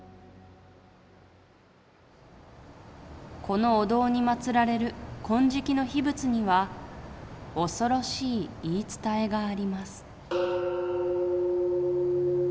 「このお堂に祭られる金色の秘仏には恐ろしい言い伝えがあります」。